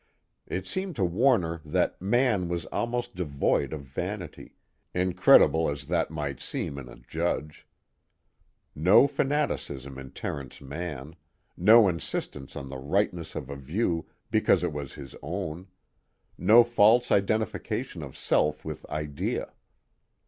It seemed to Warner that Mann was almost devoid of vanity, incredible as that might seem in a judge. No fanaticism in Terence Mann, no insistence on the rightness of a view because it was his own, no false identification of self with idea.